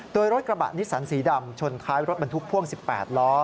โดยรถกระบะนิสสันสีดำชนท้ายรถบรรทุกพ่วง๑๘ล้อ